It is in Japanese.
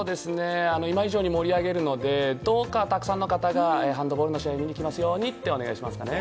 今以上に盛り上げるのでどうか、たくさんの方がハンドボールの試合を見に来てくれますようにと願いますね。